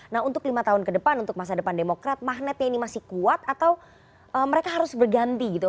nah untuk lima tahun ke depan untuk masa depan demokrat magnetnya ini masih kuat atau mereka harus berganti gitu